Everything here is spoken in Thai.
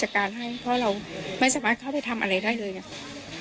เราก็ไม่รู้นะไม่รู้ก็คือเราก็ไม่รู้ว่าลูกนั้นไปกินเลี้ยงด้วยซ้ำไปอ่ะ